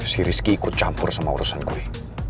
si rizky ikut campur sama urusan gue